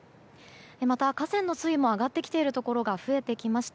また、河川の水位も上がってきているところが増えました。